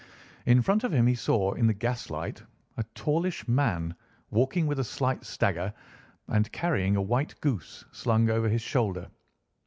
In front of him he saw, in the gaslight, a tallish man, walking with a slight stagger, and carrying a white goose slung over his shoulder.